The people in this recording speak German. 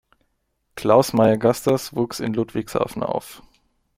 Klaus Meyer-Gasters wuchs in Ludwigshafen auf.